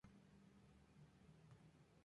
Tres homicidios en serie.